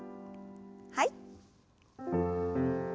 はい。